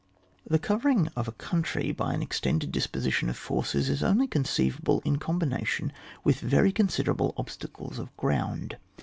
The covering of a coimtry. by an extended disposition of forces, is only conceivable in combination with very con siderable obstacles of ground.